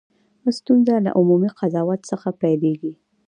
ستونزه له عمومي قضاوت څخه پیلېږي.